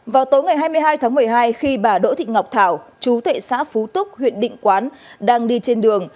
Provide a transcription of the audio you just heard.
vào tối ngày hai mươi hai tháng một mươi hai khi bà đỗ thị ngọc thảo chú thệ xã phú túc huyện định quán đang đi trên đường